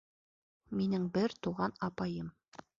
Минең бер туған апайым.